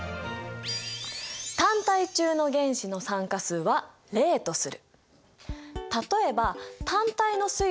「単体中の原子の酸化数は０とする」。